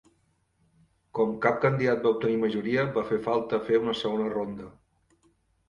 Com cap candidat va obtenir majoria, va fer falta fer una segona ronda.